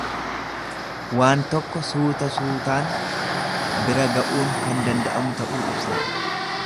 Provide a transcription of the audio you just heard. Waan tokko suuta suutaan bira ga'uun kan danda'amu ta'uu ibsa.